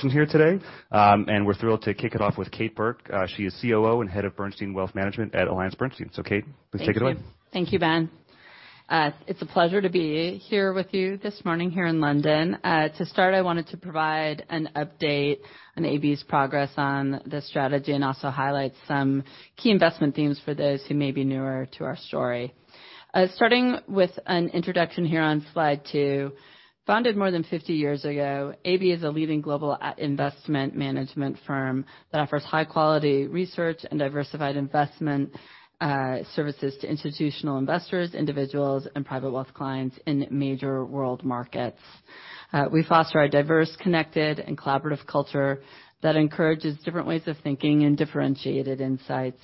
We're here today. We're thrilled to kick it off with Kate Burke. She is COO and Head of Bernstein Private Wealth Management at AllianceBernstein. Kate, please take it away. Thank you, Ben. It's a pleasure to be here with you this morning here in London. To start, I wanted to provide an update on AB's progress on the strategy and also highlight some key investment themes for those who may be newer to our story. Starting with an introduction here on slide two. Founded more than 50 years ago, AB is a leading Global Investment Management firm that offers high quality research and diversified investment services to institutional investors, individuals, and private wealth clients in major world markets. We foster a diverse, connected and collaborative culture that encourages different ways of thinking and differentiated insights.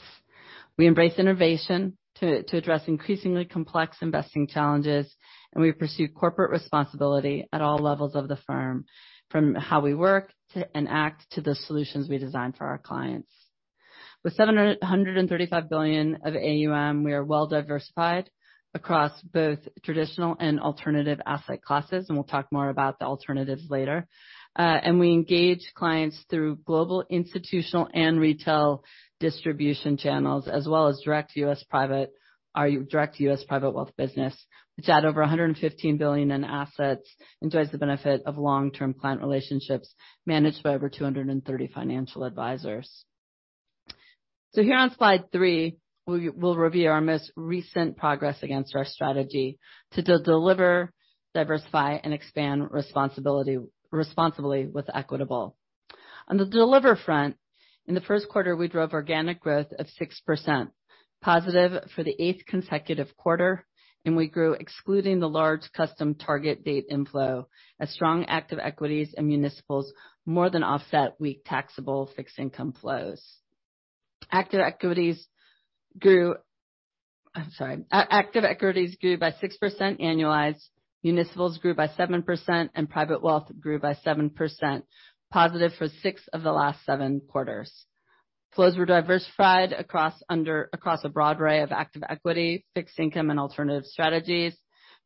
We embrace innovation to address increasingly complex investing challenges, and we pursue corporate responsibility at all levels of the firm, from how we work and act to the solutions we design for our clients. With $735 billion of AUM, we are well diversified across both traditional and alternative asset classes, and we'll talk more about the alternatives later. We engage clients through global institutional and retail distribution channels as well as our direct U.S. private wealth business, which had over $115 billion in assets, enjoys the benefit of long-term client relationships managed by over 230 financial advisors. Here on slide three, we will review our most recent progress against our strategy to deliver, diversify and expand responsibly with Equitable. On the deliver front, in the first quarter, we drove organic growth of 6%, positive for the eighth consecutive quarter, and we grew excluding the large custom target date inflow as strong active equities and municipals, more than offset weak taxable fixed income flows. Active equities grew... I'm sorry. Active equities grew by 6% annualized, municipals grew by 7%, and private wealth grew by 7%, positive for six of the last seven quarters. Flows were diversified across a broad array of active equity, fixed income, and alternative strategies.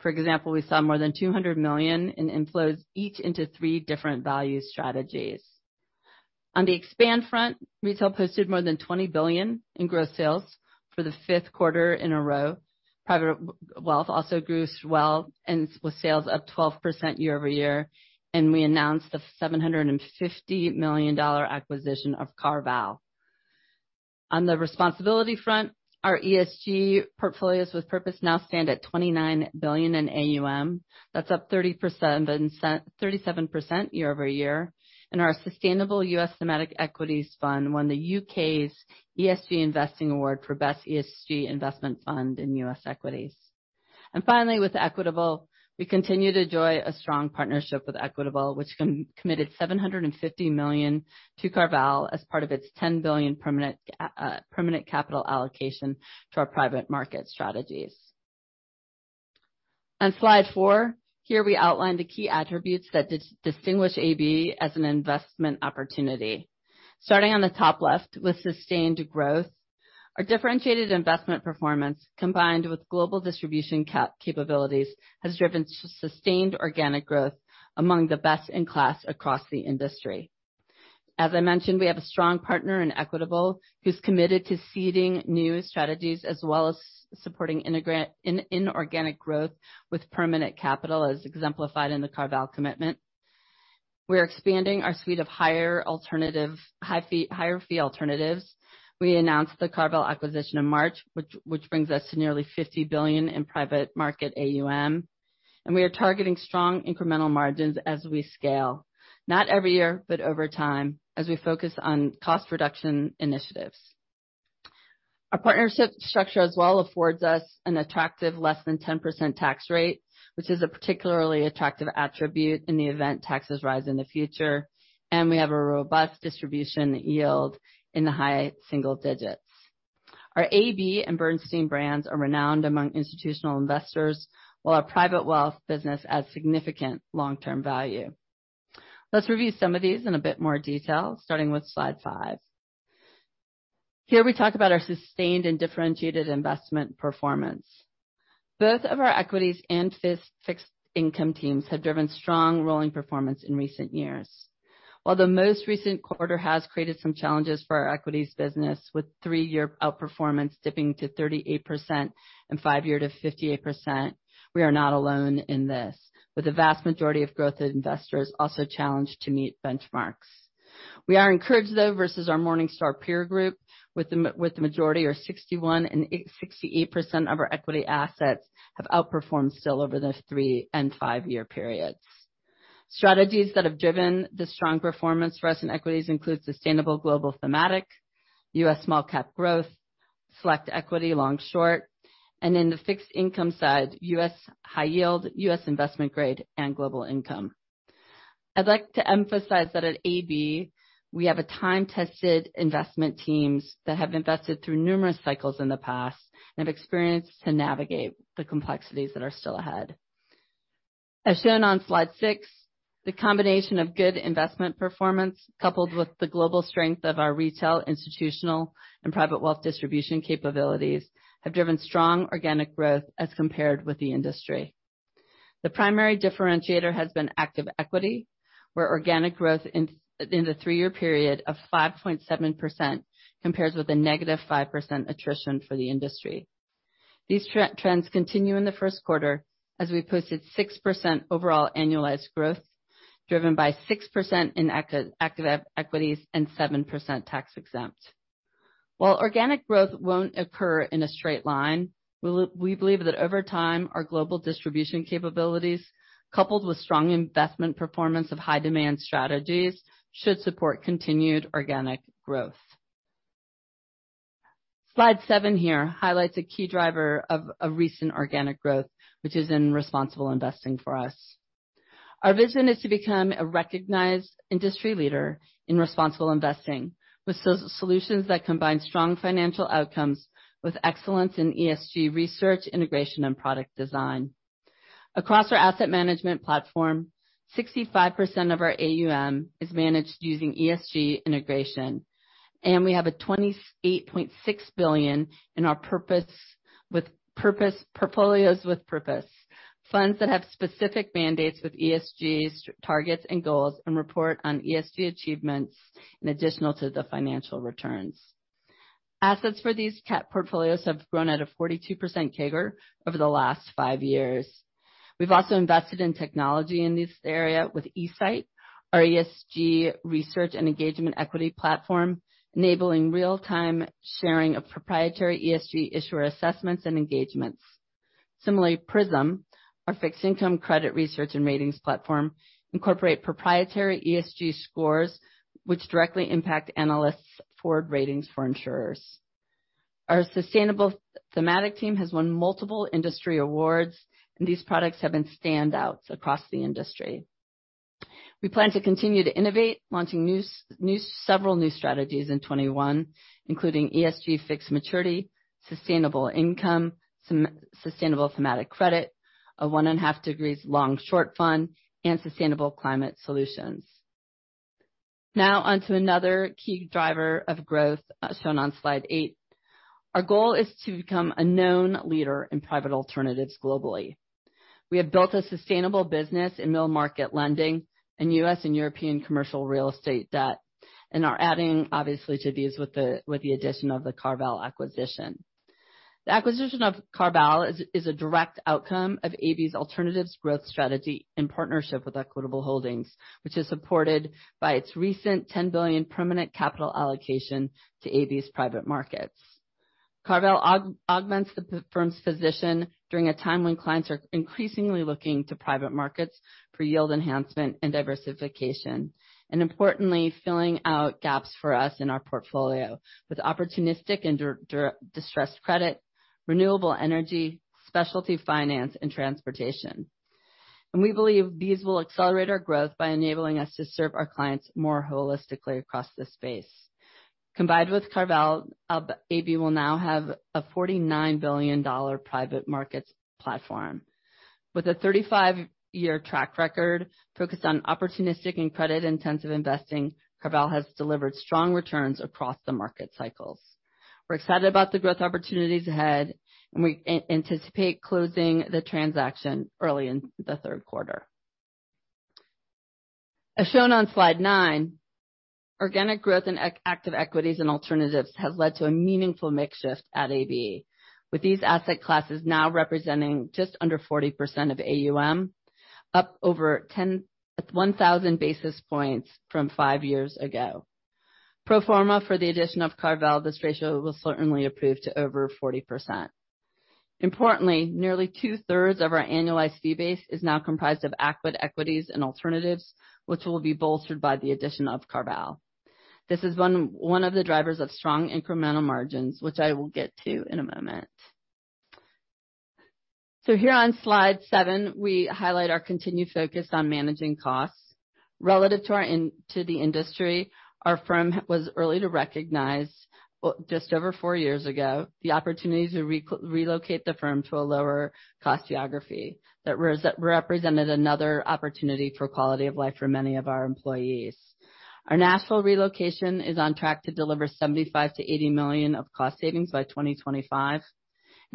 For example, we saw more than $200 million in inflows, each into three different value strategies. On the expansion front, retail posted more than $20 billion in gross sales for the fifth quarter in a row. Private wealth also grew well, and with sales up 12% year-over-year, and we announced the $750 million acquisition of CarVal. On the responsibility front, our ESG Portfolios with Purpose now stand at $29 billion in AUM. That's up 37% year-over-year. Our Sustainable U.S. Thematic Equities Fund won the U.K.'s ESG Investing Award for best ESG investment fund in U.S. equities. Finally, with Equitable, we continue to enjoy a strong partnership with Equitable, which committed $750 million to CarVal as part of its $10 billion permanent capital allocation to our private market strategies. On slide four. Here, we outline the key attributes that distinguish AB as an investment opportunity. Starting on the top left with sustained growth. Our differentiated investment performance, combined with global distribution capabilities, has driven sustained organic growth among the best in class across the industry. As I mentioned, we have a strong partner in Equitable who's committed to seeding new strategies as well as supporting inorganic growth with permanent capital, as exemplified in the CarVal commitment. We're expanding our suite of higher fee alternatives. We announced the CarVal acquisition in March, which brings us to nearly $50 billion in private market AUM, and we are targeting strong incremental margins as we scale. Not every year, but over time, as we focus on cost reduction initiatives. Our partnership structure as well affords us an attractive less than 10% tax rate, which is a particularly attractive attribute in the event taxes rise in the future, and we have a robust distribution yield in the high single-digits. Our AB and Bernstein brands are renowned among institutional investors, while our private wealth business adds significant long-term value. Let's review some of these in a bit more detail, starting with slide five. Here we talk about our sustained and differentiated investment performance. Both of our equities and fixed income teams have driven strong rolling performance in recent years. While the most recent quarter has created some challenges for our equities business, with three-year outperformance dipping to 38% and five-year to 58%, we are not alone in this. With the vast majority of growth investors also challenged to meet benchmarks. We are encouraged, though, versus our Morningstar peer group with the majority or 61% and 68% of our equity assets have outperformed still over the three- and five-year periods. Strategies that have driven the strong performance for us in equities include Sustainable Global Thematic, U.S. Small Cap Growth, Select U.S. Equity Long/Short, and in the fixed income side, U.S. high yield, U.S. investment grade, and global income. I'd like to emphasize that at AB, we have a time-tested investment teams that have invested through numerous cycles in the past and have experience to navigate the complexities that are still ahead. As shown on slide six, the combination of good investment performance, coupled with the global strength of our retail, institutional, and private wealth distribution capabilities, have driven strong organic growth as compared with the industry. The primary differentiator has been active equity, where organic growth in the three-year period of 5.7% compares with a -5% attrition for the industry. These trends continue in the first quarter as we posted 6% overall annualized growth, driven by 6% in active equities and 7% tax-exempt. While organic growth won't occur in a straight line, we believe that over time, our global distribution capabilities, coupled with strong investment performance of high demand strategies, should support continued organic growth. Slide seven here highlights a key driver of recent organic growth, which is in responsible investing for us. Our vision is to become a recognized industry leader in responsible investing with ESG solutions that combine strong financial outcomes with excellence in ESG research, integration, and product design. Across our asset management platform, 65% of our AUM is managed using ESG integration, and we have $28.6 billion in our Portfolios with Purpose. Funds that have specific mandates with ESG, targets, and goals, and report on ESG achievements in addition to the financial returns. Assets for these ESG portfolios have grown at a 42% CAGR over the last five years. We've also invested in technology in this area with ESIGHT, our ESG research and engagement equity platform, enabling real-time sharing of proprietary ESG issuer assessments and engagements. Similarly, PRISM, our fixed income credit research and ratings platform, incorporate proprietary ESG scores which directly impact analysts' forward ratings for issuers. Our sustainable thematic team has won multiple industry awards, and these products have been standouts across the industry. We plan to continue to innovate, launching several new strategies in 2021, including ESG fixed maturity, Sustainable Income, Sustainable Thematic Credit, 1/2 Degrees Long/Short Fund, and Sustainable Climate Solutions. Now on to another key driver of growth, shown on slide eight. Our goal is to become a known leader in private alternatives globally. We have built a sustainable business in middle market lending and US and European commercial real estate debt, and are adding obviously to these with the addition of the CarVal acquisition. The acquisition of CarVal is a direct outcome of AB's alternatives growth strategy in partnership with Equitable Holdings, which is supported by its recent $10 billion permanent capital allocation to AB's private markets. CarVal augments the firm's position during a time when clients are increasingly looking to private markets for yield enhancement and diversification, and importantly, filling out gaps for us in our portfolio with opportunistic and distressed credit, renewable energy, specialty finance, and transportation. We believe these will accelerate our growth by enabling us to serve our clients more holistically across this space. Combined with CarVal, AB will now have a $49 billion private markets platform. With a 35-year track record focused on opportunistic and credit-intensive investing, CarVal has delivered strong returns across the market cycles. We're excited about the growth opportunities ahead, and we anticipate closing the transaction early in the third quarter. As shown on slide nine, organic growth in active equities and alternatives has led to a meaningful mix shift at AB, with these asset classes now representing just under 40% of AUM, up over 1,000 basis points from five years ago. Pro forma for the addition of CarVal, this ratio will certainly improve to over 40%. Importantly, nearly 2/3 of our annualized fee base is now comprised of active equities and alternatives, which will be bolstered by the addition of CarVal. This is one of the drivers of strong incremental margins, which I will get to in a moment. Here on slide seven, we highlight our continued focus on managing costs. Relative to the industry, our firm was early to recognize, just over four years ago, the opportunity to relocate the firm to a lower cost geography that represented another opportunity for quality of life for many of our employees. Our Nashville relocation is on track to deliver $75 million-$80 million of cost savings by 2025.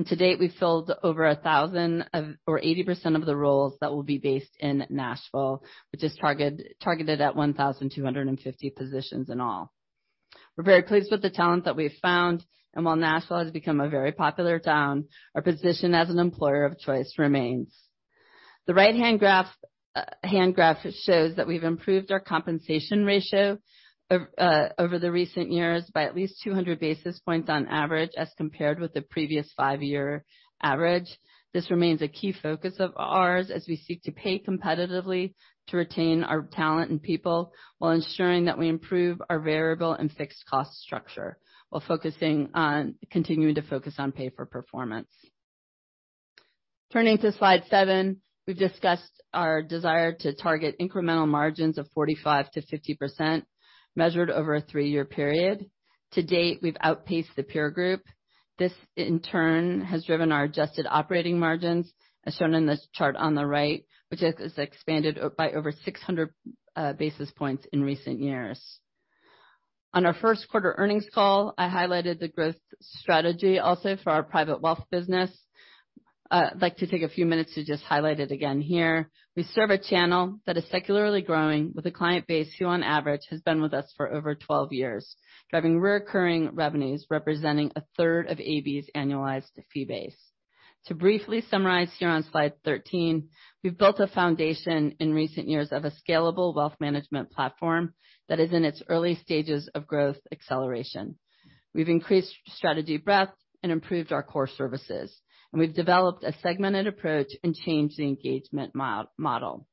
To date, we filled over 1,000 or 80% of the roles that will be based in Nashville, which is targeted at 1,250 positions in all. We're very pleased with the talent that we've found, and while Nashville has become a very popular town, our position as an employer of choice remains. The right-hand graph shows that we've improved our compensation ratio over the recent years by at least 200 basis points on average, as compared with the previous five-year average. This remains a key focus of ours as we seek to pay competitively to retain our talent and people while ensuring that we improve our variable and fixed cost structure, while continuing to focus on pay for performance. Turning to slide seven. We've discussed our desire to target incremental margins of 45%-50% measured over a three-year period. To date, we've outpaced the peer group. This, in turn, has driven our adjusted operating margins, as shown in this chart on the right, which has expanded by over 600 basis points in recent years. On our first quarter earnings call, I highlighted the growth strategy also for our private wealth business. I'd like to take a few minutes to just highlight it again here. We serve a channel that is secularly growing with a client base who on average has been with us for over 12 years, driving recurring revenues representing a third of AB's annualized fee base. To briefly summarize here on slide 13, we've built a foundation in recent years of a scalable wealth management platform that is in its early stages of growth acceleration. We've increased strategy breadth and improved our core services, and we've developed a segmented approach and changed the engagement model.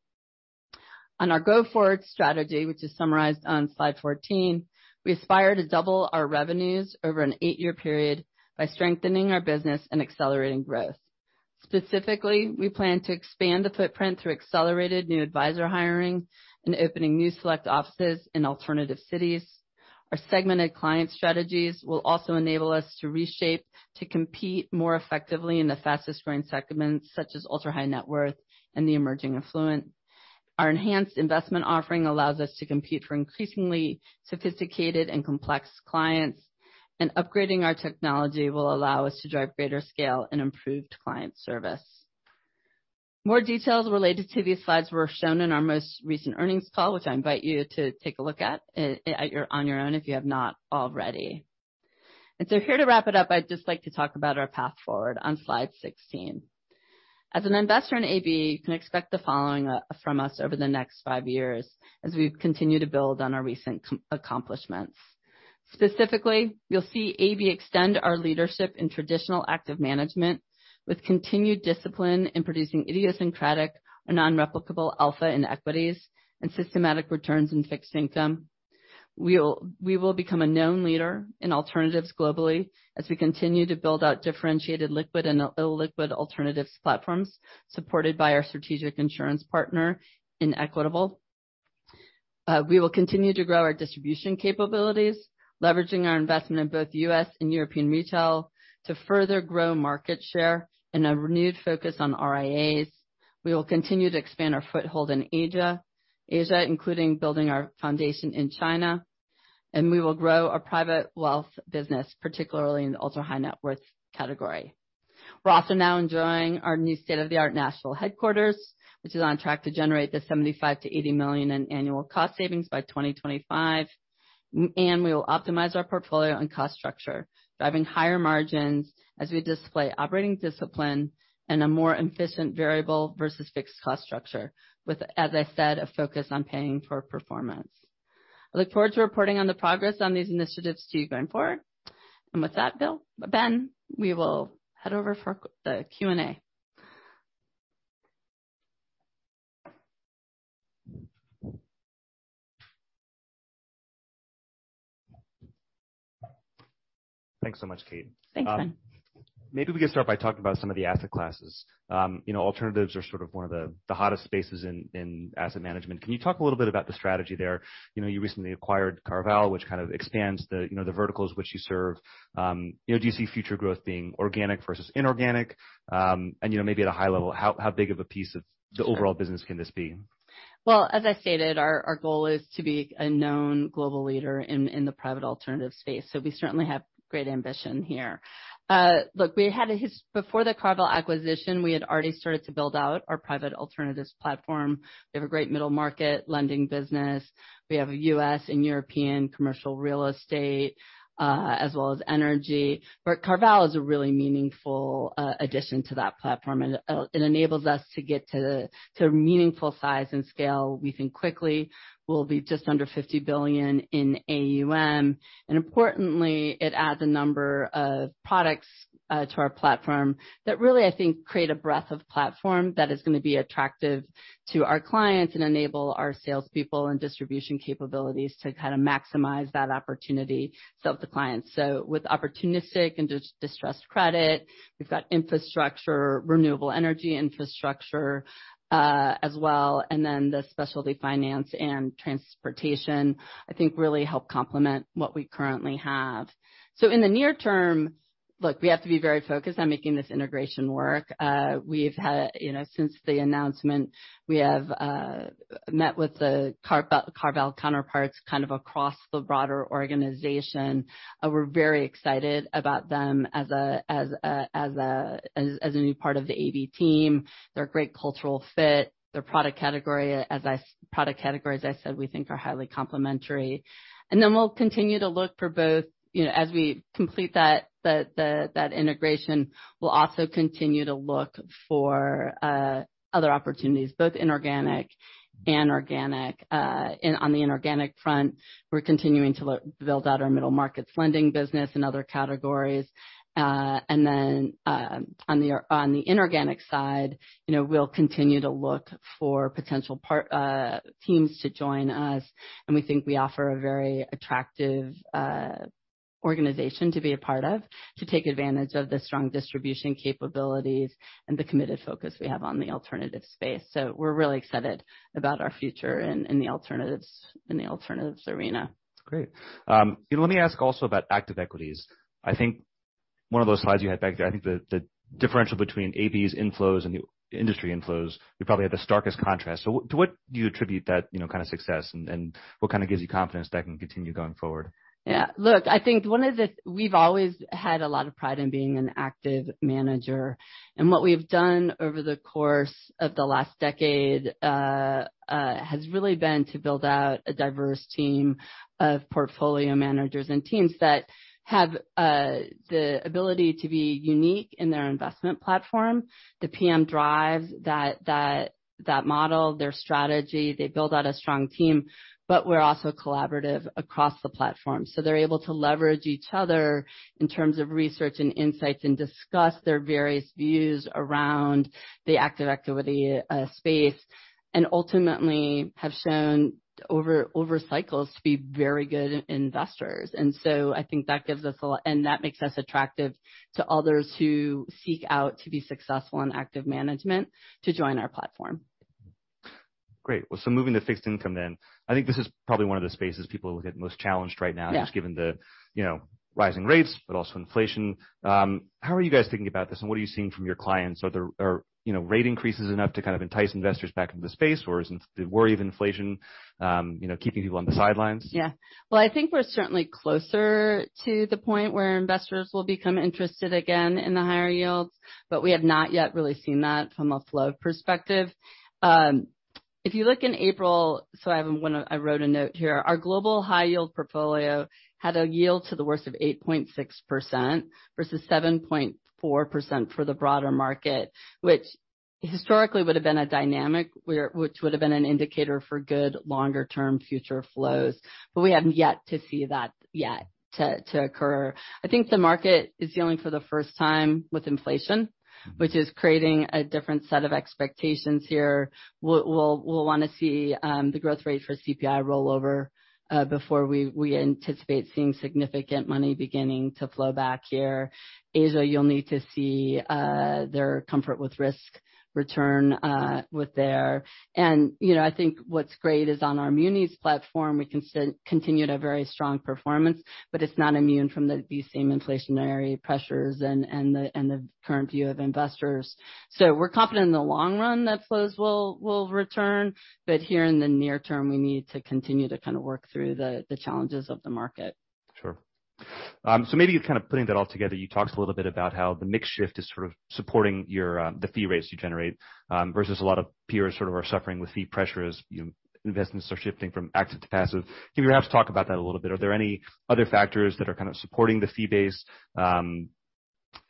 On our go-forward strategy, which is summarized on slide 14, we aspire to double our revenues over an eight-year period by strengthening our business and accelerating growth. Specifically, we plan to expand the footprint through accelerated new advisor hiring and opening new select offices in alternative cities. Our segmented client strategies will also enable us to reshape to compete more effectively in the fastest growing segments, such as ultra-high net worth and the emerging affluent. Our enhanced investment offering allows us to compete for increasingly sophisticated and complex clients, and upgrading our technology will allow us to drive greater scale and improved client service. More details related to these slides were shown in our most recent earnings call, which I invite you to take a look at on your own if you have not already. Here to wrap it up, I'd just like to talk about our path forward on slide 16. As an investor in AB, you can expect the following from us over the next five years as we continue to build on our recent accomplishments. Specifically, you'll see AB extend our leadership in traditional active management with continued discipline in producing idiosyncratic or non-replicable alpha in equities and systematic returns in fixed income. We will become a known leader in alternatives globally as we continue to build out differentiated liquid and illiquid alternatives platforms supported by our strategic insurance partner in Equitable. We will continue to grow our distribution capabilities, leveraging our investment in both U.S. and European retail to further grow market share and a renewed focus on RIAs. We will continue to expand our foothold in Asia including building our foundation in China, and we will grow our private wealth business, particularly in the ultra-high net worth category. We're also now enjoying our new state-of-the-art national headquarters, which is on track to generate $75 million-$80 million in annual cost savings by 2025. We will optimize our portfolio and cost structure, driving higher margins as we display operating discipline and a more efficient variable versus fixed cost structure with, as I said, a focus on paying for performance. I look forward to reporting on the progress on these initiatives to you going forward. With that, Ben, we will head over for the Q&A. Thanks so much, Kate. Thanks, Ben. Maybe we could start by talking about some of the asset classes. You know, alternatives are sort of one of the hottest spaces in asset management. Can you talk a little bit about the strategy there? You know, you recently acquired CarVal, which kind of expands the, you know, the verticals which you serve. You know, do you see future growth being organic versus inorganic? And, you know, maybe at a high level, how big of a piece of the overall business can this be? Well, as I stated, our goal is to be a known global leader in the private alternative space. We certainly have great ambition here. Before the CarVal acquisition, we had already started to build out our private alternatives platform. We have a great middle market lending business. We have a U.S. and European commercial real estate, as well as energy. CarVal is a really meaningful addition to that platform. It enables us to get to meaningful size and scale. We think quickly we'll be just under $50 billion in AUM. Importantly, it adds a number of products to our platform that really, I think, create a breadth of platform that is gonna be attractive to our clients and enable our salespeople and distribution capabilities to kind of maximize that opportunity to serve the clients. With opportunistic and distressed credit, we've got infrastructure, renewable energy infrastructure, as well, and then the specialty finance and transportation, I think really help complement what we currently have. In the near term, look, we have to be very focused on making this integration work. We've had, you know, since the announcement, we have met with the CarVal counterparts kind of across the broader organization. We're very excited about them as a new part of the AB team. They're a great cultural fit. Their product category, as I said, we think are highly complementary. We'll continue to look for both, as we complete that integration, we'll also continue to look for other opportunities, both inorganic and organic. On the inorganic front, we're continuing to build out our middle markets lending business and other categories. On the inorganic side, we'll continue to look for potential teams to join us. We think we offer a very attractive organization to be a part of, to take advantage of the strong distribution capabilities and the committed focus we have on the alternative space. We're really excited about our future in the alternatives arena. Great. Let me ask also about active equities. I think one of those slides you had back there. I think the differential between AB's inflows and the industry inflows, you probably had the starkest contrast. To what do you attribute that, you know, kind of success and what kind of gives you confidence that can continue going forward? Yeah. Look, I think we've always had a lot of pride in being an active manager. What we've done over the course of the last decade has really been to build out a diverse team of portfolio managers and teams that have the ability to be unique in their investment platform. The PM drives that model, their strategy. They build out a strong team. We're also collaborative across the platform. They're able to leverage each other in terms of research and insights and discuss their various views around the active equity space, and ultimately have shown over cycles to be very good investors. I think that gives us a lot. That makes us attractive to others who seek out to be successful in active management to join our platform. Great. Well, moving to fixed income then. I think this is probably one of the spaces people will get most challenged right now. Yeah. Just given the, you know, rising rates, but also inflation. How are you guys thinking about this, and what are you seeing from your clients? Are, you know, rate increases enough to kind of entice investors back into the space? Or is it the worry of inflation, you know, keeping people on the sidelines? Yeah. Well, I think we're certainly closer to the point where investors will become interested again in the higher yields, but we have not yet really seen that from a flow perspective. If you look in April, I wrote a note here. Our Global High Yield portfolio had a yield to the worst of 8.6% versus 7.4% for the broader market, which historically would have been a dynamic which would have been an indicator for good longer-term future flows. But we have yet to see that occur. I think the market is dealing for the first time with inflation, which is creating a different set of expectations here. We'll wanna see the growth rate for CPI rollover before we anticipate seeing significant money beginning to flow back here. Asia, you'll need to see their comfort with risk return with their. You know, I think what's great is on our munis platform, we can still continue to very strong performance, but it's not immune from these same inflationary pressures and the current view of investors. We're confident in the long run that flows will return, but here in the near term, we need to continue to kind of work through the challenges of the market. Sure. Maybe kind of putting that all together, you talked a little bit about how the mix shift is sort of supporting your, the fee rates you generate, versus a lot of peers sort of are suffering with fee pressures, you know, investments are shifting from active to passive. Can you perhaps talk about that a little bit? Are there any other factors that are kind of supporting the fee base? Kind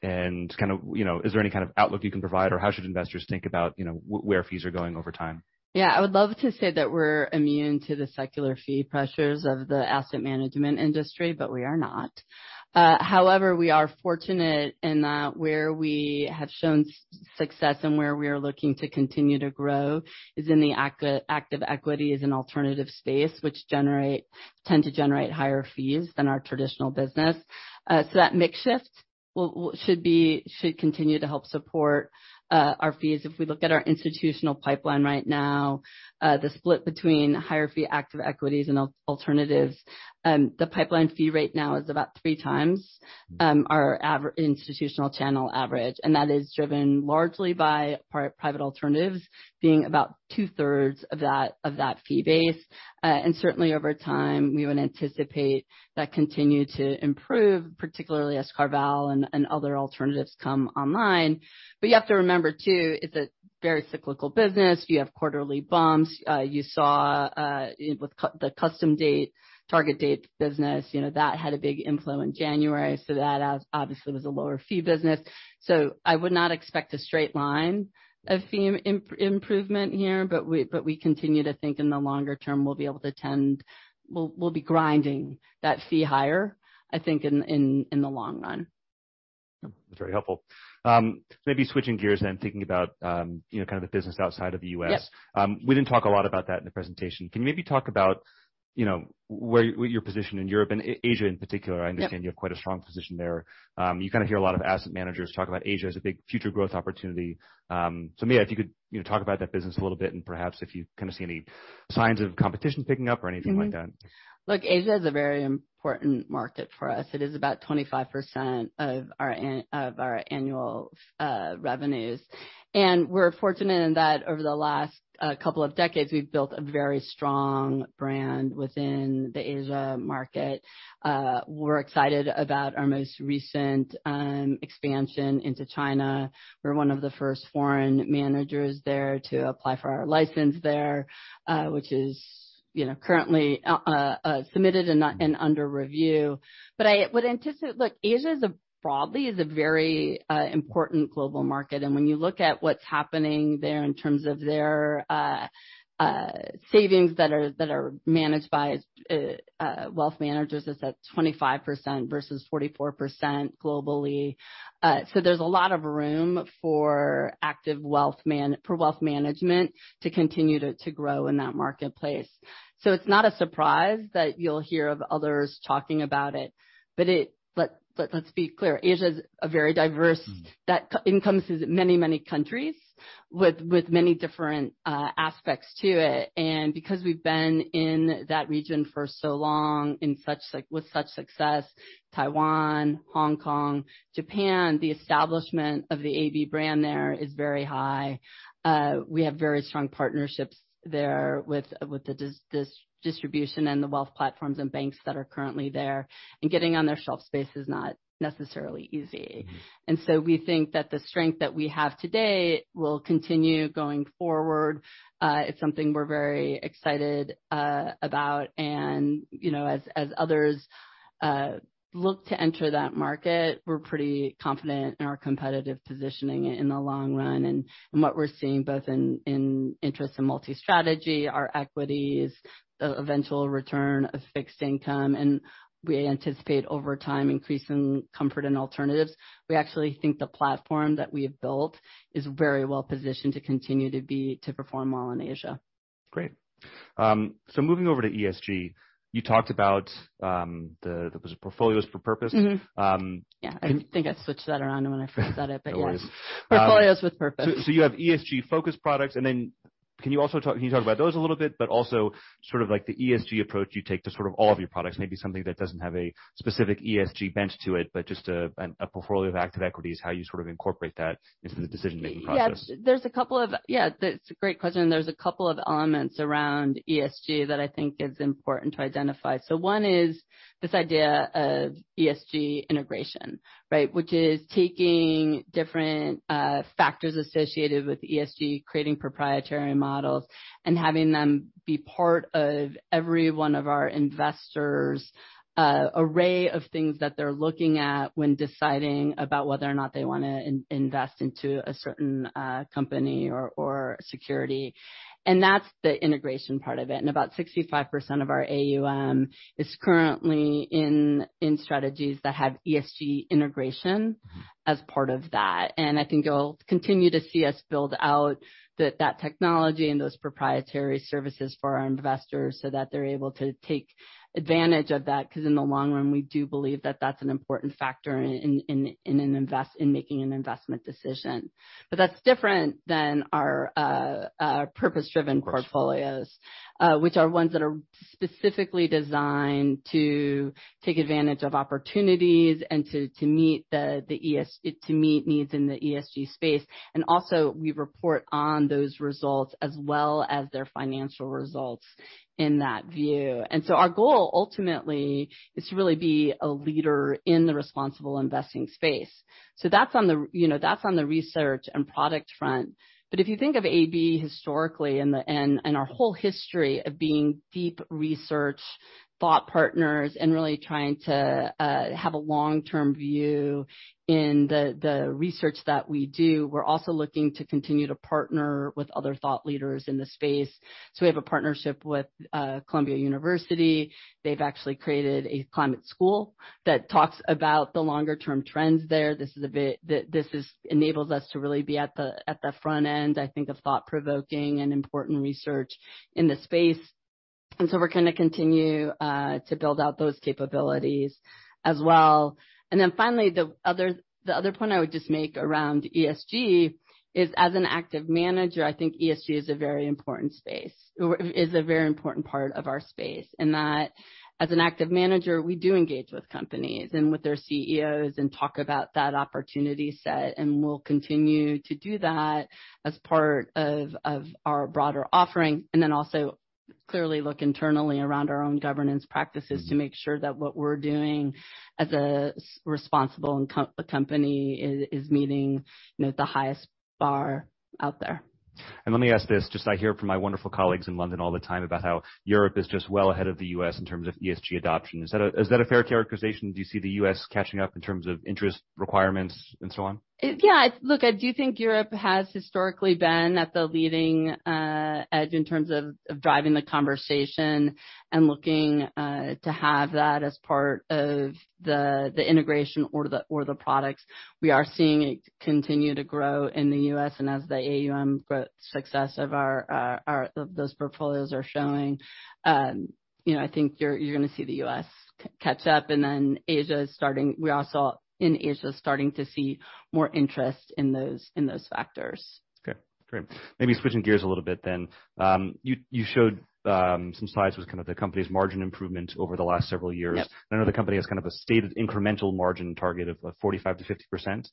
of, you know, is there any kind of outlook you can provide? Or how should investors think about, you know, where fees are going over time? Yeah. I would love to say that we're immune to the secular fee pressures of the asset management industry, but we are not. However, we are fortunate in that where we have shown success and where we are looking to continue to grow is in the active equities and alternative space, which tend to generate higher fees than our traditional business. So that mix shift should continue to help support our fees. If we look at our institutional pipeline right now, the split between higher fee active equities and alternatives, the pipeline fee right now is about three times our institutional channel average, and that is driven largely by private alternatives being about two-thirds of that fee base. Certainly over time, we would anticipate that continue to improve, particularly as CarVal and other alternatives come online. You have to remember too, it's a very cyclical business. You have quarterly bumps. You saw it with the custom target date business, you know, that had a big inflow in January. That obviously was a lower fee business. I would not expect a straight line of fee improvement here, but we continue to think in the longer term, we'll be grinding that fee higher, I think, in the long run. That's very helpful. Maybe switching gears then, thinking about, you know, kind of the business outside of the U.S.. Yes. We didn't talk a lot about that in the presentation. Can you maybe talk about, you know, where your position in Europe and Asia in particular? Yeah. I understand you have quite a strong position there. You kinda hear a lot of asset managers talk about Asia as a big future growth opportunity. Maybe if you could, you know, talk about that business a little bit and perhaps if you kinda see any signs of competition picking up or anything like that. Look, Asia is a very important market for us. It is about 25% of our annual revenues. We're fortunate in that over the last couple of decades, we've built a very strong brand within the Asia market. We're excited about our most recent expansion into China. We're one of the first foreign managers there to apply for our license there, which is, you know, currently submitted and under review. Look, Asia is a very important global market. When you look at what's happening there in terms of their savings that are managed by wealth managers, it's at 25% versus 44% globally. There's a lot of room for wealth management to continue to grow in that marketplace. It's not a surprise that you'll hear of others talking about it, but let's be clear. Asia is a very diverse Mm. That encompasses many countries with many different aspects to it. Because we've been in that region for so long, with such success, Taiwan, Hong Kong, Japan, the establishment of the AB brand there is very high. We have very strong partnerships there with the distribution and the wealth platforms and banks that are currently there. Getting on their shelf space is not necessarily easy. We think that the strength that we have today will continue going forward. It's something we're very excited about. You know, as others look to enter that market, we're pretty confident in our competitive positioning in the long run and what we're seeing both in interest and multi-strategy, our equities, the eventual return of fixed income, and we anticipate over time increasing comfort in alternatives. We actually think the platform that we have built is very well-positioned to continue to perform well in Asia. Great. Moving over to ESG, you talked about, was it Portfolios with Purpose? Mm-hmm. Um- Yeah, I think I switched that around when I first said it, but yes. No worries. Portfolios with Purpose. You have ESG-focused products. Then can you talk about those a little bit, but also sort of like the ESG approach you take to sort of all of your products, maybe something that doesn't have a specific ESG bent to it, but just a portfolio of active equities, how you sort of incorporate that into the decision-making process? That's a great question. There's a couple of elements around ESG that I think is important to identify. One is this idea of ESG integration, right? Which is taking different factors associated with ESG, creating proprietary models, and having them be part of every one of our investors' array of things that they're looking at when deciding about whether or not they wanna invest into a certain company or security. That's the integration part of it. About 65% of our AUM is currently in strategies that have ESG integration as part of that. I think you'll continue to see us build out that technology and those proprietary services for our investors so that they're able to take advantage of that. 'Cause in the long run, we do believe that that's an important factor in making an investment decision. That's different than our purpose-driven portfolios. Of course. Which are ones that are specifically designed to take advantage of opportunities and to meet needs in the ESG space. Also we report on those results as well as their financial results in that view. Our goal ultimately is to really be a leader in the responsible investing space. That's on the, you know, that's on the research and product front. If you think of AB historically and our whole history of being deep research thought partners and really trying to have a long-term view in the research that we do, we're also looking to continue to partner with other thought leaders in the space. We have a partnership with Columbia University. They've actually created a climate school that talks about the longer term trends there. This is a bit. This enables us to really be at the front end, I think, of thought-provoking and important research in the space. We're gonna continue to build out those capabilities as well. Finally, the other point I would just make around ESG is as an active manager, I think ESG is a very important space or is a very important part of our space in that as an active manager, we do engage with companies and with their CEOs and talk about that opportunity set, and we'll continue to do that as part of our broader offering. Also clearly look internally around our own governance practices to make sure that what we're doing as a responsible company is meeting, you know, the highest bar out there. Let me ask this, just I hear it from my wonderful colleagues in London all the time about how Europe is just well ahead of the U.S. in terms of ESG adoption. Is that a, is that a fair characterization? Do you see the U.S. catching up in terms of interest requirements and so on? Yeah. Look, I do think Europe has historically been at the leading edge in terms of driving the conversation and looking to have that as part of the integration or the products. We are seeing it continue to grow in the US and as the AUM success of our those portfolios are showing, you know, I think you're gonna see the U.S. catch up. Then we also are in Asia starting to see more interest in those factors. Okay. Great. Maybe switching gears a little bit then. You showed some slides with kind of the company's margin improvement over the last several years. Yep. I know the company has kind of a stated incremental margin target of 45%-50%.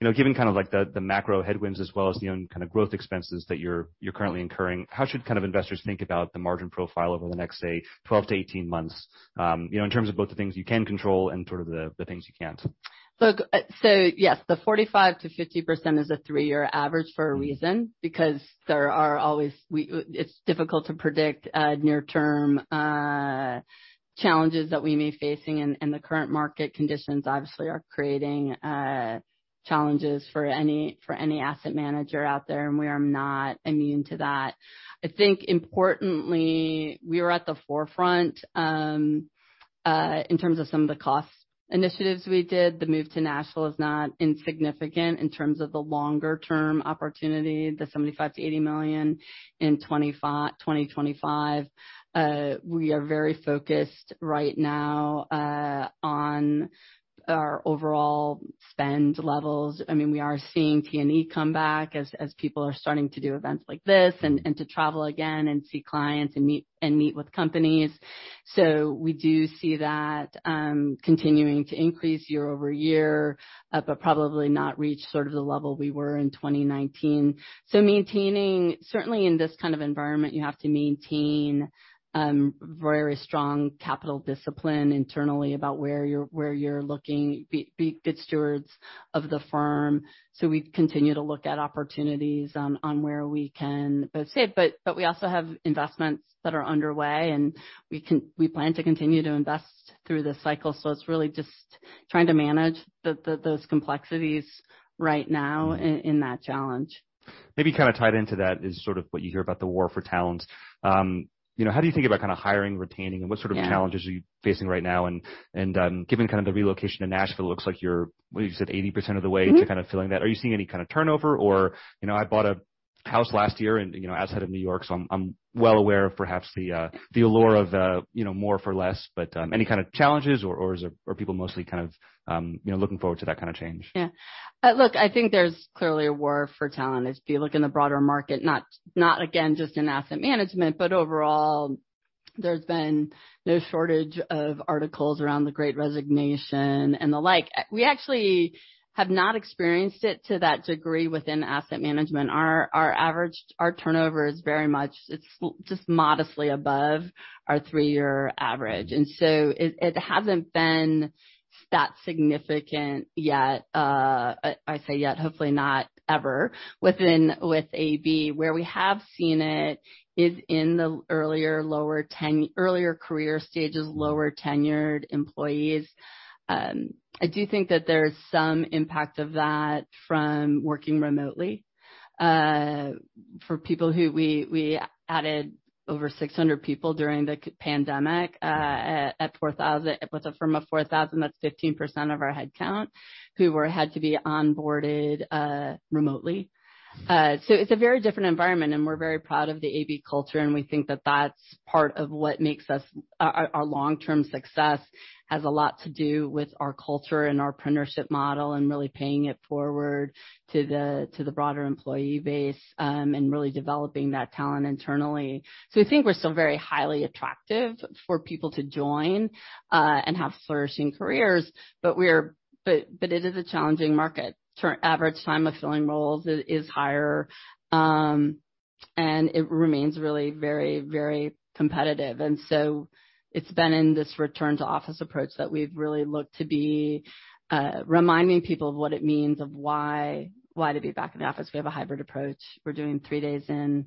You know, given kind of like the macro headwinds as well as the own kind of growth expenses that you're currently incurring, how should kind of investors think about the margin profile over the next, say, 12 months-18 months, you know, in terms of both the things you can control and sort of the things you can't? Look, yes, the 45%-50% is a three-year average for a reason. Because there are always. It's difficult to predict near-term challenges that we may face. The current market conditions obviously are creating challenges for any asset manager out there, and we are not immune to that. I think importantly, we are at the forefront in terms of some of the cost initiatives we did. The move to Nashville is not insignificant in terms of the longer term opportunity, the $75 million-$80 million in 2025. We are very focused right now on our overall spend levels. I mean, we are seeing T&E come back as people are starting to do events like this and to travel again and see clients and meet with companies. We do see that continuing to increase year-over-year, but probably not reach sort of the level we were in 2019. Maintaining certainly in this kind of environment, you have to maintain very strong capital discipline internally about where you're looking, be good stewards of the firm. We continue to look at opportunities on where we can both save, but we also have investments that are underway, and we plan to continue to invest through this cycle. It's really just trying to manage those complexities right now in that challenge. Maybe kind of tied into that is sort of what you hear about the war for talent. You know, how do you think about kind of hiring, retaining, and what sort of? Yeah. What challenges are you facing right now? Given kind of the relocation to Nashville, it looks like you're, what did you say? 80% of the way, Mm-hmm. to kind of filling that. Are you seeing any kind of turnover or, you know, I bought a house last year and, you know, as head of New York, so I'm well aware of perhaps the allure of, you know, more for less, but any kind of challenges or is it are people mostly kind of, you know, looking forward to that kind of change? Yeah. Look, I think there's clearly a war for talent. If you look in the broader market, not again, just in asset management, but overall, there's been no shortage of articles around the Great Resignation and the like. We actually have not experienced it to that degree within asset management. Our average turnover is very much, it's just modestly above our three-year average, and so it hasn't been that significant yet. I say yet, hopefully not ever. Within with AB, where we have seen it is in the earlier career stages, lower tenured employees. I do think that there's some impact of that from working remotely, for people who we added over 600 people during the COVID pandemic. At 4,000, with a firm of 4,000, that's 15% of our headcount who had to be onboarded remotely. It's a very different environment, and we're very proud of the AB culture, and we think that that's part of what makes us. Our long-term success has a lot to do with our culture and our partnership model and really paying it forward to the broader employee base, and really developing that talent internally. We think we're still very highly attractive for people to join and have flourishing careers, but it is a challenging market. Average time of filling roles is higher, and it remains really very competitive. It's been in this return to office approach that we've really looked to be reminding people of what it means, of why to be back in the office. We have a hybrid approach. We're doing three days in,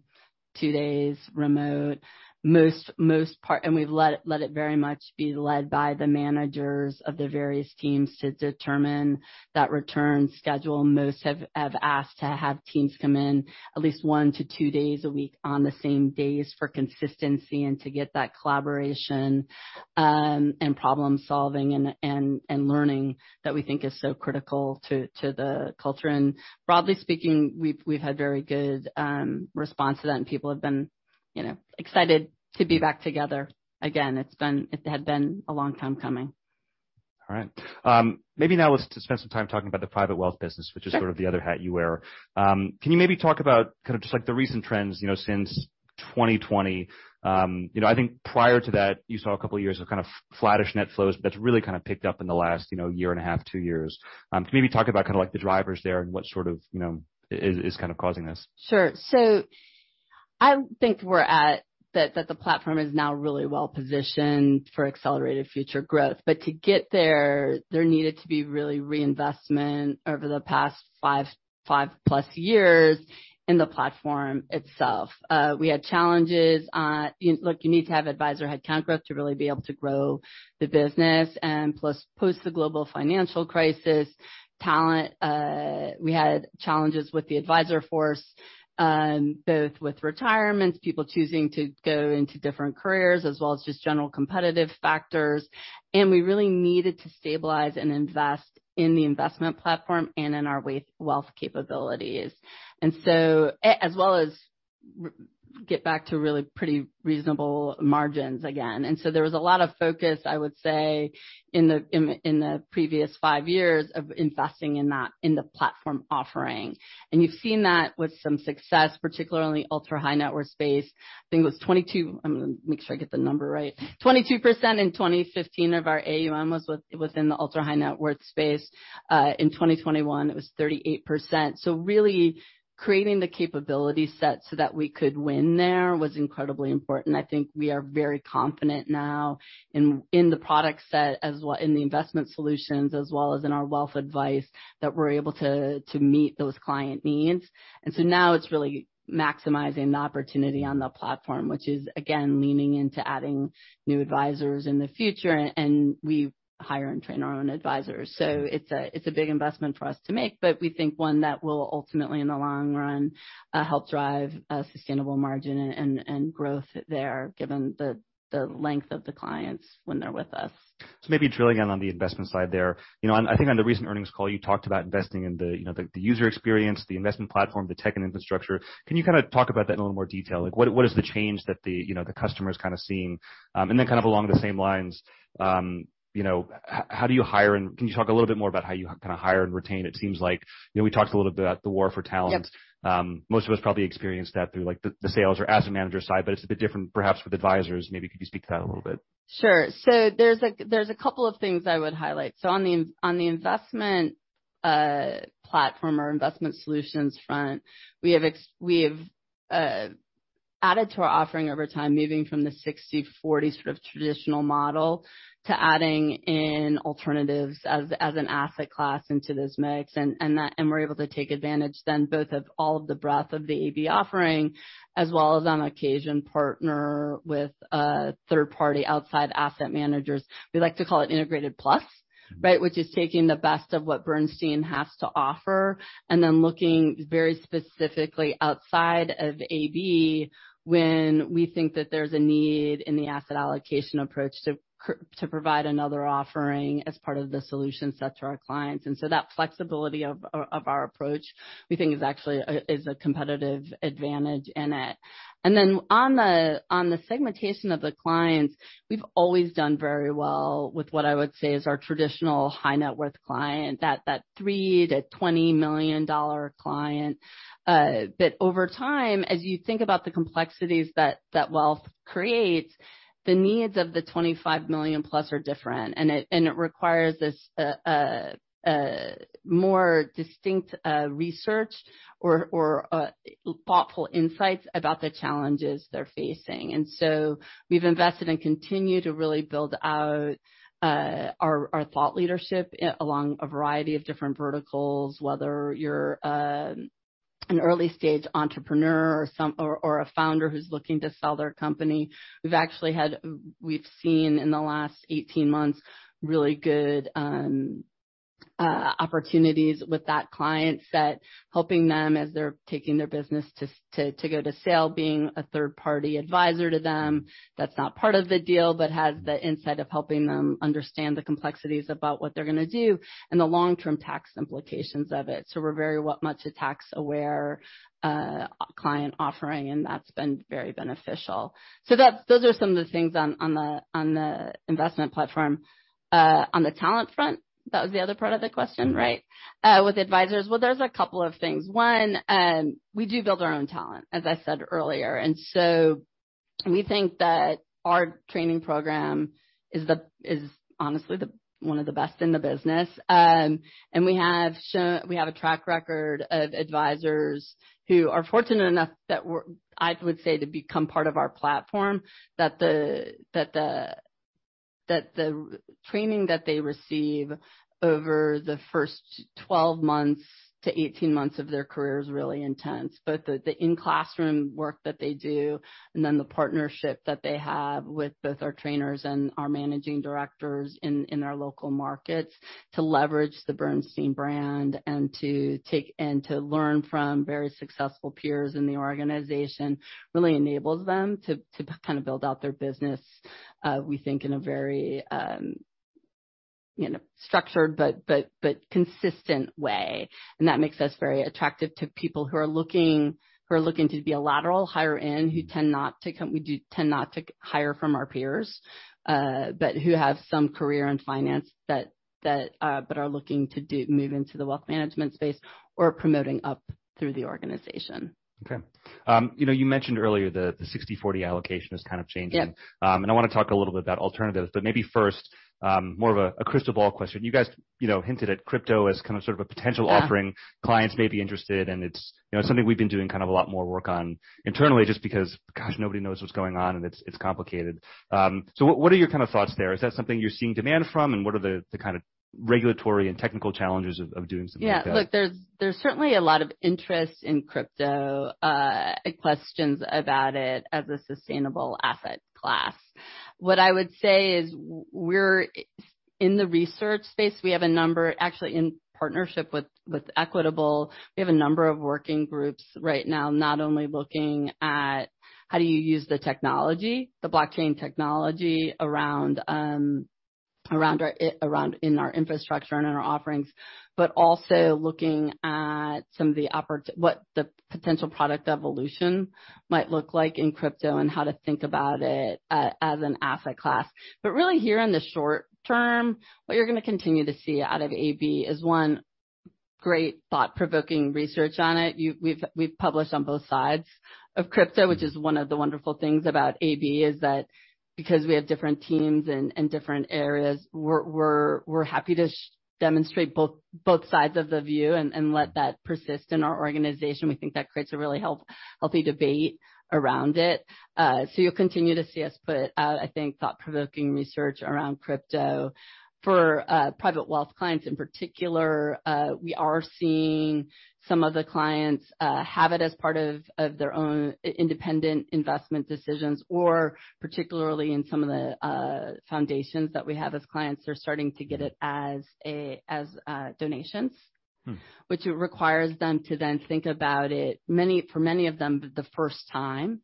two days remote. For the most part, we've let it very much be led by the managers of the various teams to determine that return schedule. Most have asked to have teams come in at least one-two days a week on the same days for consistency and to get that collaboration, and problem-solving and learning that we think is so critical to the culture. Broadly speaking, we've had very good response to that, and people have been, you know, excited to be back together again. It had been a long time coming. All right. Maybe now let's just spend some time talking about the private wealth business, Sure. which is sort of the other hat you wear. Can you maybe talk about kind of just like the recent trends, you know, since 2020? You know, I think prior to that, you saw a couple of years of kind of flattish net flows, but that's really kind of picked up in the last, you know, year and a half, two years. Can you maybe talk about kind of like the drivers there and what sort of, you know, is kind of causing this? Sure. I think that the platform is now really well positioned for accelerated future growth. To get there needed to be real reinvestment over the past five-plus years in the platform itself. We had challenges. You need to have advisor headcount growth to really be able to grow the business. Plus, post the global financial crisis, talent challenges with the advisor force, both with retirements, people choosing to go into different careers, as well as just general competitive factors. We really needed to stabilize and invest in the investment platform and in our wealth capabilities. As well as get back to really pretty reasonable margins again. There was a lot of focus, I would say, in the previous five years of investing in that, in the platform offering. You've seen that with some success, particularly in the ultra-high net worth space. I think it was 22%. I'm gonna make sure I get the number right. 22% in 2015 of our AUM was in the ultra-high net worth space. In 2021, it was 38%. Really creating the capability set so that we could win there was incredibly important. I think we are very confident now in the product set as well, in the investment solutions, as well as in our wealth advice, that we're able to meet those client needs. Now it's really maximizing the opportunity on the platform, which is again, leaning into adding new advisors in the future, and we hire and train our own advisors. It's a big investment for us to make, but we think one that will ultimately, in the long run, help drive a sustainable margin and growth there, given the length of the clients when they're with us. Maybe drilling in on the investment side there. You know, I think on the recent earnings call, you talked about investing in the you know user experience, the investment platform, the tech and infrastructure. Can you kinda talk about that in a little more detail? Like what is the change that the you know customer's kinda seeing? Kind of along the same lines, you know, how do you hire and can you talk a little bit more about how you kinda hire and retain? It seems like, you know, we talked a little bit about the war for talent. Yeah. Most of us probably experienced that through, like the sales or asset manager side, but it's a bit different perhaps with advisors. Maybe could you speak to that a little bit? Sure. There's a couple of things I would highlight. On the investment platform or investment solutions front, we have added to our offering over time, moving from the 60/40 sort of traditional model to adding in alternatives as an asset class into this mix. And we're able to take advantage then both of all of the breadth of the AB offering, as well as on occasion, partner with third party outside asset managers. We like to call it integrated plus, right? Which is taking the best of what Bernstein has to offer, and then looking very specifically outside of AB when we think that there's a need in the asset allocation approach to provide another offering as part of the solution set to our clients. That flexibility of our approach, we think is actually a competitive advantage in it. On the segmentation of the clients, we've always done very well with what I would say is our traditional high net worth client. $3 million-$20 million client. Over time, as you think about the complexities that wealth creates, the needs of the +$25 million are different. It requires a more distinct research or thoughtful insights about the challenges they're facing. We've invested and continue to really build out our thought leadership along a variety of different verticals, whether you're an early stage entrepreneur or a founder who's looking to sell their company. We've seen in the last 18 months, really good opportunities with that client set, helping them as they're taking their business to go to sale. Being a third party advisor to them, that's not part of the deal, but has the insight of helping them understand the complexities about what they're gonna do and the long-term tax implications of it. We're very much a tax-aware client offering, and that's been very beneficial. Those are some of the things on the investment platform. On the talent front, that was the other part of the question, right? With advisors. Well, there's a couple of things. One, we do build our own talent, as I said earlier. We think that our training program is honestly the one of the best in the business. We have a track record of advisors who are fortunate enough, I would say, to become part of our platform, that the training that they receive over the first 12-18 months of their career is really intense. Both the in-classroom work that they do, and then the partnership that they have with both our trainers and our managing directors in their local markets to leverage the Bernstein brand and to learn from very successful peers in the organization, really enables them to kind of build out their business, we think in a very you know structured but consistent way. That makes us very attractive to people who are looking to be a lateral hire in. We do tend not to hire from our peers, but who have some career in finance but are looking to move into the wealth management space or promoting up through the organization. Okay. You know, you mentioned earlier the 60/40 allocation is kind of changing. Yeah. I wanna talk a little bit about alternatives, but maybe first, more of a crystal ball question. You guys, you know, hinted at crypto as kind of, sort of a potential offering. Yeah. Clients may be interested, and it's, you know, something we've been doing kind of a lot more work on internally just because, gosh, nobody knows what's going on and it's complicated. What are your kind of thoughts there? Is that something you're seeing demand from? What are the kind of regulatory and technical challenges of doing something like that? Yeah. Look, there's certainly a lot of interest in crypto, questions about it as a sustainable asset class. What I would say is we're in the research space. Actually in partnership with Equitable, we have a number of working groups right now, not only looking at how do you use the technology, the blockchain technology around in our infrastructure and in our offerings, but also looking at what the potential product evolution might look like in crypto and how to think about it as an asset class. But really here in the short term, what you're gonna continue to see out of AB is, one, great thought-provoking research on it. We've published on both sides of crypto, which is one of the wonderful things about AB, is that because we have different teams and different areas, we're happy to demonstrate both sides of the view and let that persist in our organization. We think that creates a really healthy debate around it. You'll continue to see us put out, I think, thought-provoking research around crypto. For private wealth clients in particular, we are seeing some of the clients have it as part of their own independent investment decisions, or particularly in some of the foundations that we have as clients. They're starting to get it as donations. Mm. Which it requires them to then think about it for many of them, the first time,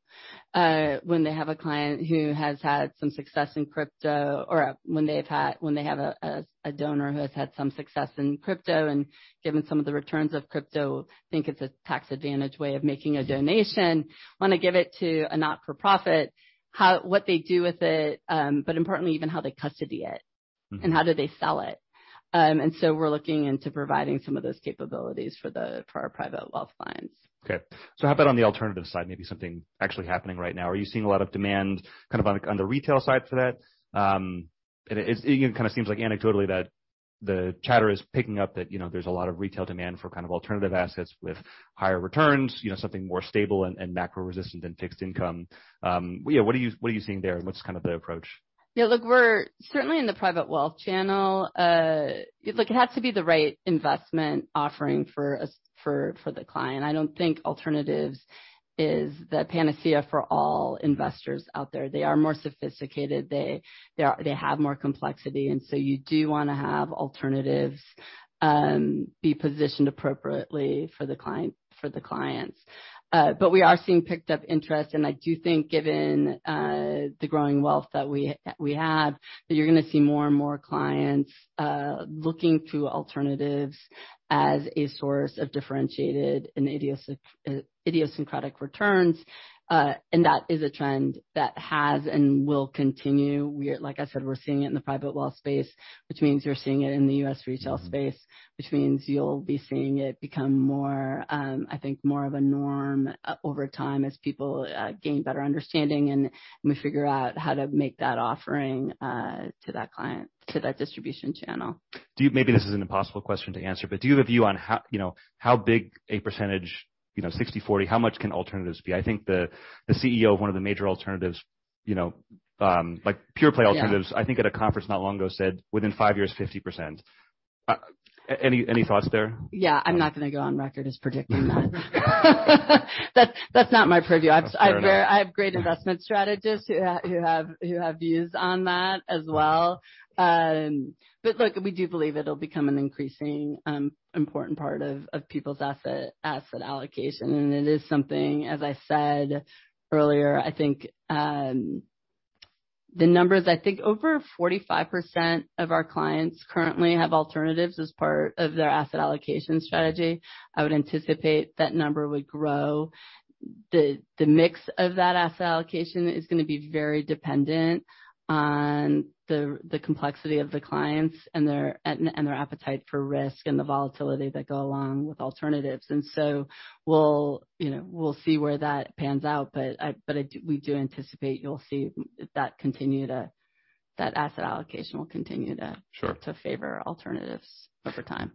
when they have a client who has had some success in crypto or when they have a donor who has had some success in crypto. Given some of the returns of crypto, think it's a tax-advantaged way of making a donation, wanna give it to a not-for-profit, what they do with it, but importantly even how they custody it. Mm-hmm. How do they sell it? We're looking into providing some of those capabilities for our private wealth clients. Okay. How about on the alternative side? Maybe something actually happening right now. Are you seeing a lot of demand kind of on the retail side for that? It again kind of seems like anecdotally that the chatter is picking up that, you know, there's a lot of retail demand for kind of alternative assets with higher returns, you know, something more stable and macro resistant than fixed income. Yeah, what are you seeing there, and what's kind of the approach? Yeah. Look, we're certainly in the private wealth channel. Look, it has to be the right investment offering for the client. I don't think alternatives is the panacea for all investors out there. They are more sophisticated. They have more complexity, and so you do wanna have alternatives be positioned appropriately for the clients. But we are seeing pick-up interest, and I do think, given the growing wealth that we have, that you're gonna see more and more clients looking to alternatives as a source of differentiated and idiosyncratic returns. That is a trend that has and will continue. Like I said, we're seeing it in the private wealth space, which means you're seeing it in the U.S. retail space, which means you'll be seeing it become more, I think more of a norm over time as people gain better understanding, and we figure out how to make that offering to that client, to that distribution channel. Do you? Maybe this is an impossible question to answer, but do you have a view on how, you know, how big a percentage, you know, 60/40, how much can alternatives be? I think the CEO of one of the major alternatives, you know, like, pure play alternatives. Yeah. I think at a conference not long ago said, "Within five years, 50%." Any thoughts there? Yeah. I'm not gonna go on record as predicting that. That's not my purview. Fair enough. I have great investment strategists who have views on that as well. But look, we do believe it'll become an increasingly important part of people's asset allocation, and it is something, as I said earlier, I think the numbers, I think over 45% of our clients currently have alternatives as part of their asset allocation strategy. I would anticipate that number would grow. The mix of that asset allocation is gonna be very dependent on the complexity of the clients and their appetite for risk and the volatility that go along with alternatives. We'll, you know, see where that pans out, but we do anticipate you'll see that continue to, that asset allocation will continue to, Sure. to favor alternatives over time.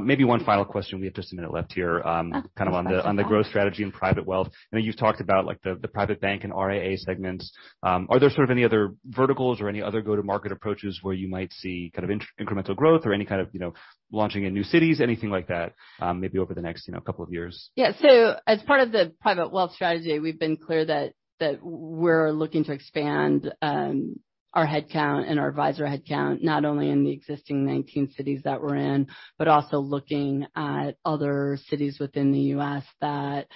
Maybe one final question. We have just a minute left here. Yeah. Kind of on the growth strategy and private wealth. I know you've talked about, like, the private bank and RIA segments. Are there sort of any other verticals or any other go-to-market approaches where you might see kind of incremental growth or any kind of, you know, launching in new cities, anything like that, maybe over the next, you know, couple of years? Yeah. As part of the private wealth strategy, we've been clear that we're looking to expand our head count and our advisor head count, not only in the existing 19 cities that we're in, but also looking at other cities within the U.S. that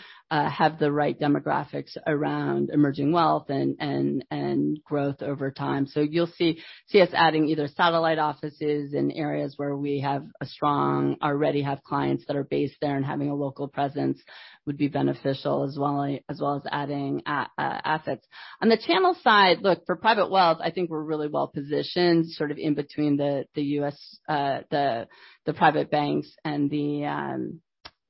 have the right demographics around emerging wealth and growth over time. You'll see us adding either satellite offices in areas where we already have clients that are based there, and having a local presence would be beneficial as well as adding assets. On the channel side, look, for private wealth, I think we're really well positioned sort of in between the U.S. private banks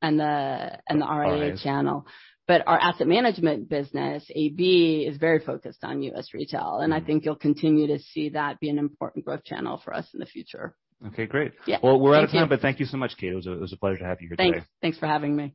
and the RIA channel. Our asset management business, AB, is very focused on U.S. retail, and I think you'll continue to see that be an important growth channel for us in the future. Okay, great. Yeah. Well, we're out of time, but thank you so much, Kate. It was a pleasure to have you here today. Thanks. Thanks for having me.